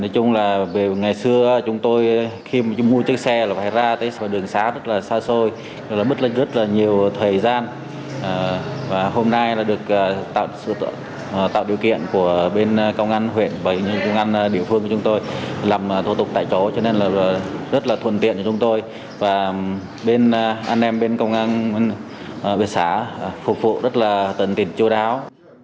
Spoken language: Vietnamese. cho nên là rất là thuận tiện cho chúng tôi và bên anh em bên công an bên xã phục vụ rất là tận tình chú đáo